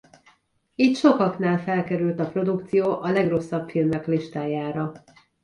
Így sokaknál felkerült a produkció a legrosszabb filmek listájára.